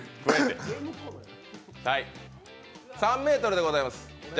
３ｍでございます。